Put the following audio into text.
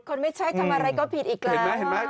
คนไม่ใช่ทำอะไรก็ผิดอีกแล้ว